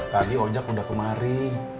tadi ojak udah kemari